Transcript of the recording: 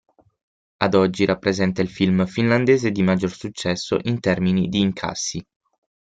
Ad oggi rappresenta il film finlandese di maggior successo in termini di incassi.